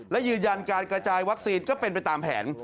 และยืนยันการกระจายวัคซีนก็เป็นไปตามแผน